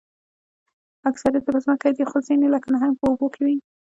اکثریت یې په ځمکه دي خو ځینې لکه نهنګ په اوبو کې وي